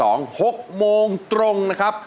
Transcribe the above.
ดูเขาเล็ดดมชมเล่นด้วยใจเปิดเลิศ